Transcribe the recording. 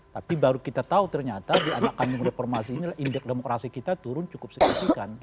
tapi baru kita tahu ternyata di anak kandung reformasi ini indeks demokrasi kita turun cukup signifikan